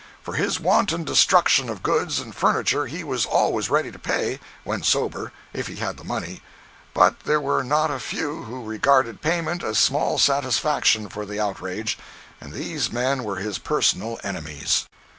For his wanton destruction of goods and furniture, he was always ready to pay, when sober, if he had money; but there were not a few who regarded payment as small satisfaction for the outrage, and these men were his personal enemies.